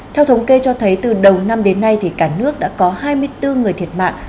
theo thống kê cho thấy từ đầu năm đến nay cả nước đã có hai mươi bốn người thiệt mạng